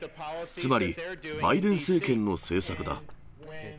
つまり、バイデン政権の政策だ。